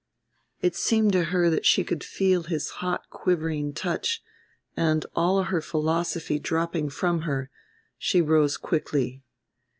It seemed to her that she could feel his hot quivering touch and, all her philosophy dropping from her, she rose quickly.